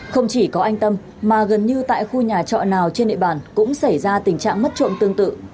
không chỉ có anh tâm mà gần như tại khu nhà trọ nào trên địa bàn cũng xảy ra tình trạng mất trộm tương tự